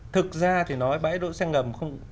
thực ra thì nói bãi đỗ xe ngầm